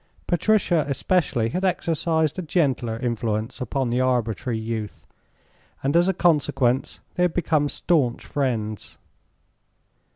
Patricia, especially, had exercised a gentler influence upon the arbitrary youth, and as a consequence they had become staunch friends.